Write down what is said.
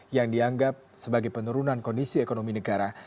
yang dianggap sebagai penurunan kondisi ekonomi negara